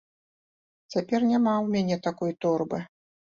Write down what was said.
Цяпер няма ў мяне такой торбы.